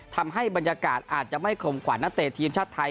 ทำให้บรรยากาศอาจจะไม่คมขวัญนักเตะทีมชาติไทย